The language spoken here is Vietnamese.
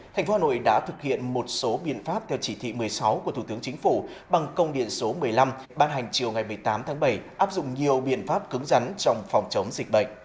thành phố hà nội đã thực hiện một số biện pháp theo chỉ thị một mươi sáu của thủ tướng chính phủ bằng công điện số một mươi năm ban hành chiều ngày một mươi tám tháng bảy áp dụng nhiều biện pháp cứng rắn trong phòng chống dịch bệnh